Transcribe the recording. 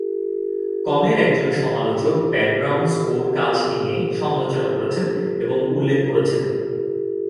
কমের একজন সমালোচক ব্যাকগ্রাউন্ড স্কোর কাজ নিয়ে সমালোচনা করেছেন এবং উল্লেখ করেছেন।